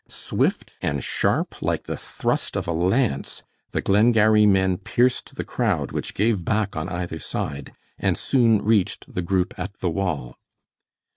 Swift and sharp like the thrust of a lance, the Glengarry men pierced the crowd, which gave back on either side, and soon reached the group at the wall.